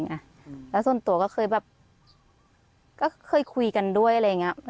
นี่โตมาแล้วมาโดนแบบนี้